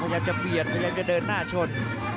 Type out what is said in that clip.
พยายามจะเบียดพยายามจะเดินหน้าชน